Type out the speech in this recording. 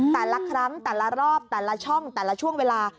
แต่ละครั้งแต่ละรอบแต่ละช่องแต่ละช่วงเวลา